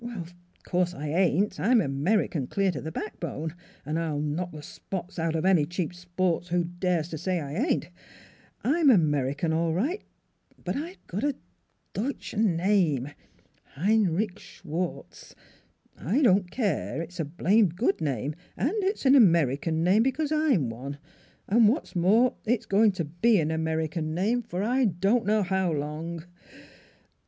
... Of course I ain't! I'm American clear to the backbone; and I'll knock the spots out of any cheap sport who dares to say I ain't. I'm American all right. But I've got a Deutsch name : Heinrich Schwartz. I don't care; it's a blamed good name. And it's an American name, because I'm one. And what's more, it's going to be an American name for I don' know how long!